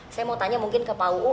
saya mau tanya mungkin ke pak uu